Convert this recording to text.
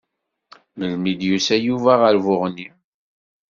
Melmi i d-yusa Yuba ar Buɣni?